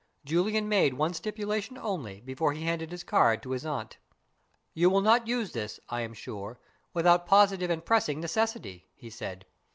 Julian made one stipulation only before he handed his card to his aunt. "You will not use this, I am sure, without positive and pressing necessity," he said.